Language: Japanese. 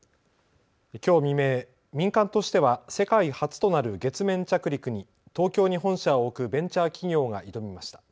きょう未明、民間としては世界初となる月面着陸に東京に本社を置くベンチャー企業が挑みました。